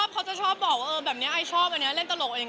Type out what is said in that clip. เขาเป็นคนบอกเอง